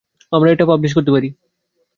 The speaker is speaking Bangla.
আমরা এটা পাবলিশ করতে পারি।